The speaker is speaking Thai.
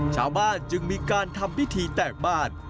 ชาวบ้านจึงมีการทำพิธีแตกบ้าน